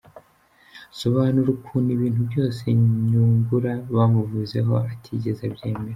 Asobanura ukuntu ibintu byose Nyungura bamuvuzeho atigeze abyemera.